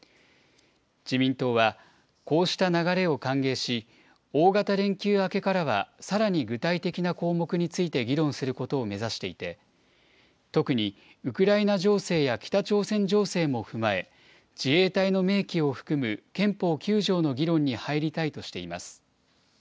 自民党は、こうした流れを歓迎し、大型連休明けからは、さらに具体的な項目について議論することを目指していて、特にウクライナ情勢や北朝鮮情勢も踏まえ、自衛隊の明記を含む憲法９条の議論に入りたいとしています。